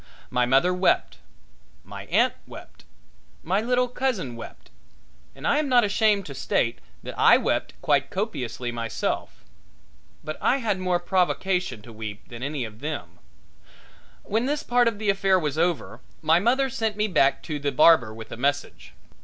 My mother wept, my aunt wept, my little cousin wept, and I am not ashamed to state that I wept quite copiously myself. But I had more provocation to weep than any of them. When this part of the affair was over my mother sent me back to the barber with a message.